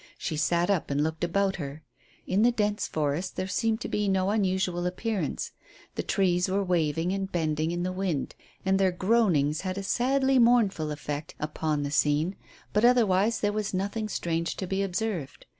She sat up and looked about her. In the dense forest there seemed to be no unusual appearance. The trees were waving and bending in the wind, and their groanings had a sadly mournful effect, upon the scene, but otherwise there was nothing strange to be observed.